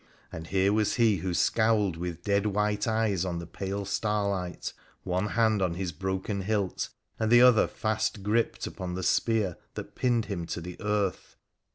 And here was he who scowled with dead white eyes on the pale starlight, one hand on his broken hilt and the other fast gripped upon the spear that pinned him to the earth.